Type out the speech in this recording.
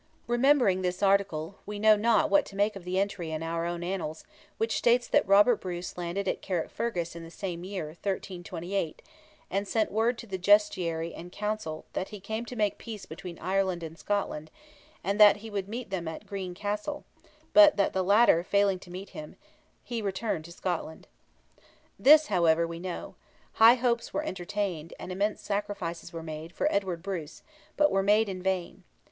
Remembering this article, we know not what to make of the entry in our own Annals, which states that Robert Bruce landed at Carrickfergus in the same year, 1328, "and sent word to the Justiciary and Council, that he came to make peace between Ireland and Scotland, and that he would meet them at Green Castle; but that the latter failing to meet him, he returned to Scotland." This, however, we know: high hopes were entertained, and immense sacrifices were made, for Edward Bruce, but were made in vain.